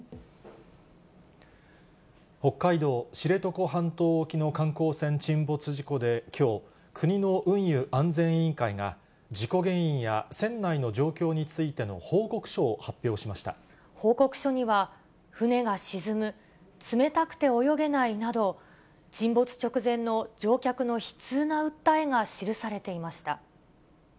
北海道知床半島沖の観光船沈没事故できょう、国の運輸安全委員会が事故原因や船内の状況についての報告書を発報告書には、船が沈む、冷たくて泳げないなど、沈没直前の乗客の悲痛な訴えが記されていました。